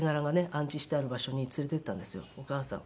安置してある場所に連れていったんですよお母さん。